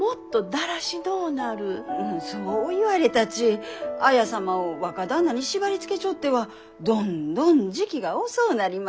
そう言われたち綾様を若旦那に縛りつけちょってはどんどん時期が遅うなります。